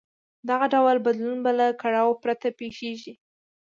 دغه ډول بدلون به له کړاو پرته پېښېږي.